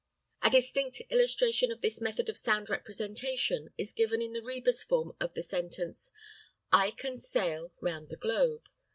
A distinct illustration of this method of sound representation is given in the rebus form of the sentence, "I can sail round the globe."